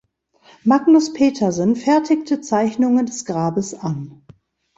Magnus Petersen fertigte Zeichnungen des Grabes an.